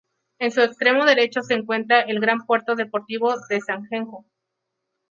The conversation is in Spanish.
En su extremo derecho se encuentra el gran puerto deportivo de Sangenjo.